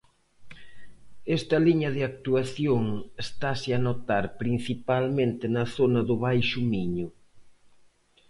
Esta liña de actuación estase a notar principalmente na zona do Baixo Miño.